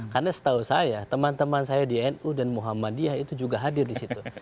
karena setahu saya teman teman saya di nu dan muhammadiyah itu juga hadir di situ